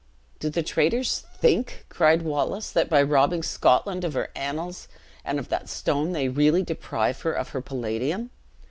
"Do the traitors think," cried Wallace, "that by robbing Scotland of her annals and of that stone they really deprive her of her palladium?